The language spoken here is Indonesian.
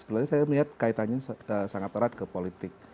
sebenarnya saya melihat kaitannya sangat erat ke politik